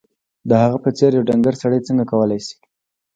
د هغه په څېر یو ډنګر سړی څنګه کولای شي